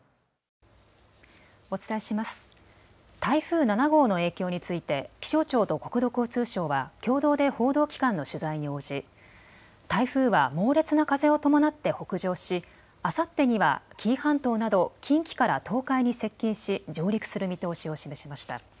台風７号の影響について気象庁と国土交通省は共同で報道機関の取材に応じ台風は猛烈な風を伴って北上しあさってには紀伊半島など近畿から東海に接近し上陸する見通しを示しました。